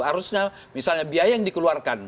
harusnya misalnya biaya yang dikeluarkan